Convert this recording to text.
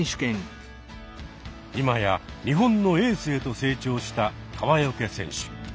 今や日本のエースへと成長した川除選手。